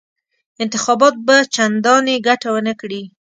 انتخابات به چنداني ګټه ونه کړي.